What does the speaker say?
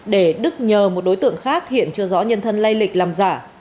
để đức nhờ một đối tượng khác hiện chưa rõ nhân thân lây lịch làm giả